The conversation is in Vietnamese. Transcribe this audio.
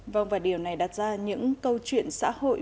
vâng và điều này đặt ra những câu chuyện xã hội